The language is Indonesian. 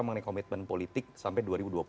mengenai komitmen politik sampai dua ribu dua puluh empat